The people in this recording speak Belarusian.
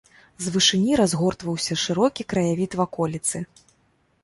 З вышыні разгортваўся шырокі краявід ваколіцы.